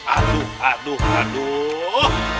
aduh aduh aduh